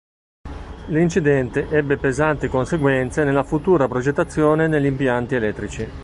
L'incidente ebbe pesanti conseguenze nella futura progettazione negli impianti elettrici.